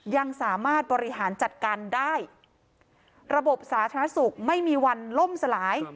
ยังสามารถบริหารจัดการได้ระบบสาธารณสุขไม่มีวันล่มสลาย